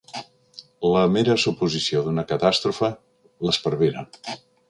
La mera suposició d'una catàstrofe l'esparvera.